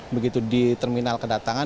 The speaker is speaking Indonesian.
begitu di terminal kedatangan